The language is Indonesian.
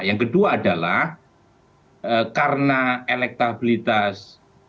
yang kedua adalah karena elektabilitas